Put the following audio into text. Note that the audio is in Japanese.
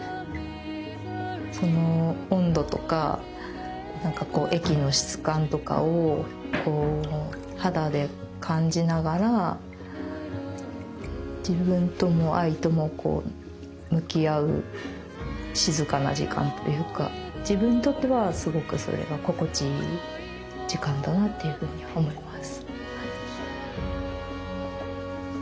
その温度とか何かこう液の質感とかを肌で感じながら自分とも藍とも向き合う静かな時間というか自分にとってはすごくそれが心地いい時間だなっていうふうに思います。